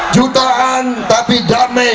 jutaan tapi damai